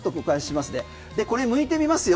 これむいてみますよ。